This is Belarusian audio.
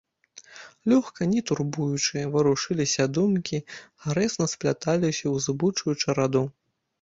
Лёгка, не турбуючы, варушыліся думкі, гарэзна спляталіся ў зыбучую чараду.